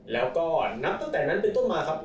แล้วก็นับตั้งแต่นั้นเป็นต้นมาครับ